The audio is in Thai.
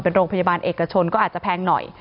เป็นโรงพยาบาลเอกชนก็อาจจะแพงหน่อย